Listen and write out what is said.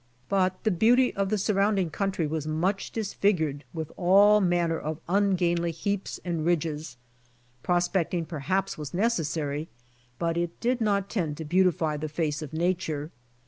But the beauty of the surrounding country was much dis figured with all manner of ungainly heaps and ridges. Prospecting perhaps was necessary but it did not tend to beautify the face of nature.